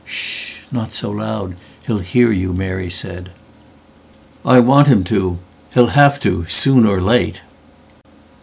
"Sh! not so loud: he'll hear you," Mary said."I want him to: he'll have to soon or late."